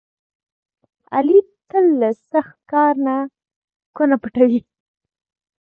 علي تل له سخت کار نه کونه پټوي.